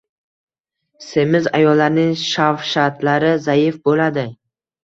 Semiz ayollarning shahvatlari zaif bo‘ladi.